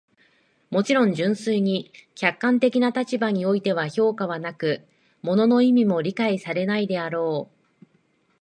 もちろん、純粋に客観的な立場においては評価はなく、物の意味も理解されないであろう。